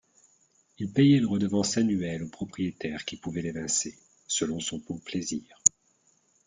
Il payait une redevance annuelle au propriétaire qui pouvait l'évincer, selon son bon plaisir.